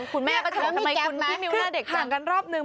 คุณแม่ก็ถามทำไมคุณพี่มิวหน้าเด็กจังคือห่างกันรอบหนึ่ง